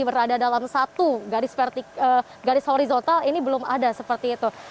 berada dalam satu garis horizontal ini belum ada seperti itu